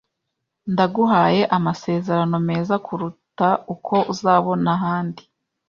Ndaguhaye amasezerano meza kuruta uko uzabona ahandi.